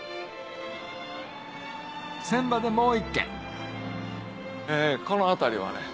船場でもう１軒この辺りはね